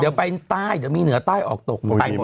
เดี๋ยวไปใต้เดี๋ยวมีเหนือใต้ออกตกหมด